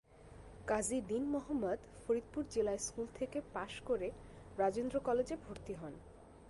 কাজী দীন মোহাম্মদ ফরিদপুর জেলা স্কুল থেকে পাস করে রাজেন্দ্র কলেজে ভর্তি হন।